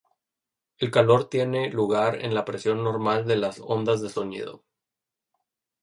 El calor tiene lugar en la presión normal de las ondas de sonido.